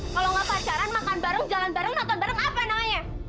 kalau nggak pacaran makan bareng jalan bareng nonton bareng apa namanya